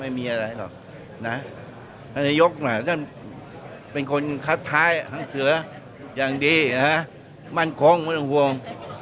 ไม่มีอะไรหรอกนาฬิยกษ์เป็นคนคัดท้ายทั้งเสืออย่างดีมั่นคงมั่นห่วง